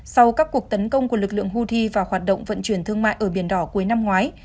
sau các cuộc tấn công của lực lượng houthi vào hoạt động vận chuyển thương mại ở biển đỏ cuối năm ngoái